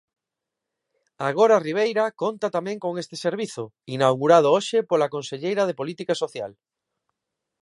Agora Ribeira conta tamén con este servizo, inaugurado hoxe pola conselleira de Política Social.